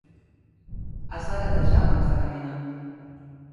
Has de gatejar abans de caminar.